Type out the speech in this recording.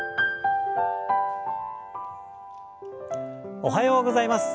おはようございます。